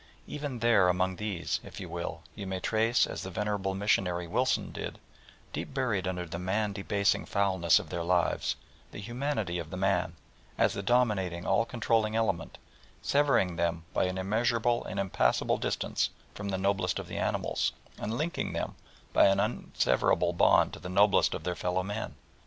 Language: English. Even there among these if you will, you may trace, as the venerable missionary Wilson did, deep buried under the man debasing foulness of their lives, the humanity of the man as the dominating, all controlling element, severing them by an immeasurable and impassable distance from the noblest of the animals, and linking them by an inseverable bond to the noblest of their fellow men.